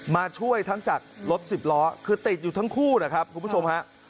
มาช่วยทั้งจากรถสิบล้อคือติดอยู่ทั้งคู่นะครับคุณผู้ชมฮะ